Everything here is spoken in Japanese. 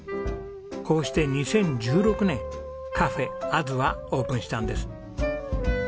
こうして２０１６年Ｃａｆａｓはオープンしたんです。